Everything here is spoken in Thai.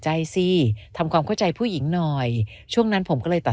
สิทำความเข้าใจผู้หญิงหน่อยช่วงนั้นผมก็เลยตัด